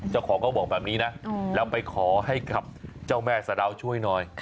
เจ้าของก็บอกแบบนี้นะแล้วไปขอให้กับเจ้าแม่สะดาวช่วยหน่อย